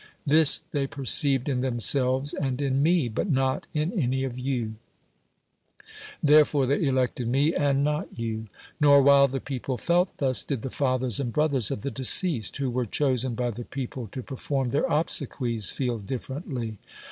This they perceived in themselves and in me, but not in any of you ; therefore, they elected me, and not you. Nor, while the people felt thus, did the fathers and brothers of the deceased, who were chosen by the people to per form their obsequies, feel dilferently.